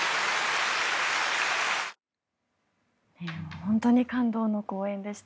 本当に感動の公演でした。